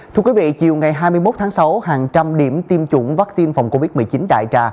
thưa quý vị chiều ngày hai mươi một tháng sáu hàng trăm điểm tiêm chủng vaccine phòng covid một mươi chín đại trà